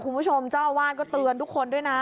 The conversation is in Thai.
คุณผู้ชมเจ้าอาวาสก็เตือนทุกคนด้วยนะ